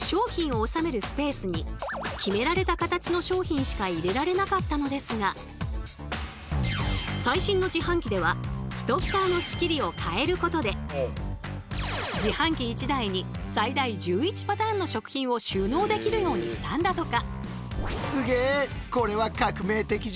スペースに決められた形の商品しか入れられなかったのですが最新の自販機ではストッカーの仕切りを変えることで自販機１台に最大１１パターンの食品を収納できるようにしたんだとか。